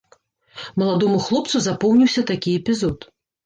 Маладому хлопцу запомніўся такі эпізод.